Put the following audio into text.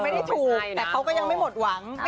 พวกเราก็มีความหวังนะ